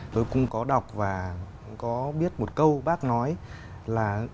tôi cũng có đọc và có biết một câu bác nói là